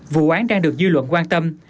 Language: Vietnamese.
vụ án đang được dư luận quan tâm